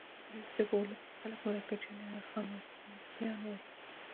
دوی ته په ولس کې خلک مرکچیان یا نرخیان وایي.